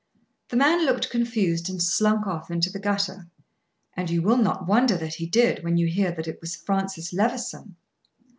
The man looked confused, and slunk off into the gutter. And you will not wonder that he did, when you hear that it was Francis Levison.